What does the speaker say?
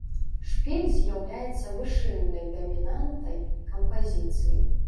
Шпіль з'яўляецца вышыннай дамінантай кампазіцыі.